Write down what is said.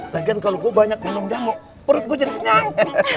lagian kalau gue banyak minum jamu perut gue jadi kenyang